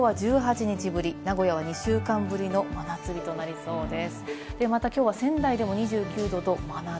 東京は１８日ぶり、名古屋は２週間ぶりの真夏日となりそうです。